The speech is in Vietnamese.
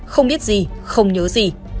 không biết gì không nhớ gì